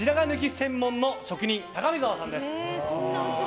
専門の職人高見澤さんです。